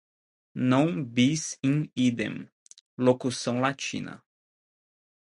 non bis in idem, locução latina